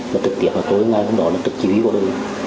mà thực tiễn vào tối ngày hôm đó là thực chỉ huy của đồng